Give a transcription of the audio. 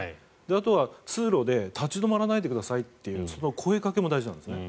あとは通路で立ち止まらないでくださいというその声掛けも大事なんですね。